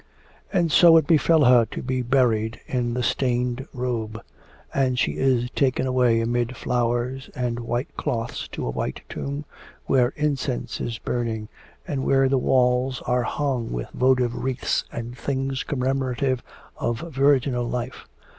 And so it befell her to be buried in the stained robe. And she is taken away amid flowers and white cloths to a white tomb, where incense is burning, and where the walls are hung with votive wreaths, and things commemorative of virginal life.